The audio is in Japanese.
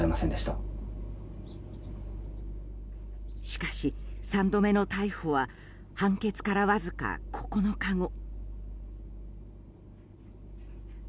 しかし、３度目の逮捕は判決からわずか９日後。